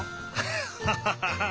ハハハハ！